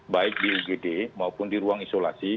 baik di ugd maupun di ruang isolasi